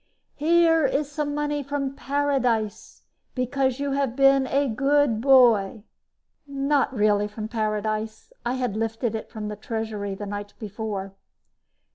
"Here is some money from paradise, because you have been a good boy." Not really from paradise I had lifted it from the treasury the night before.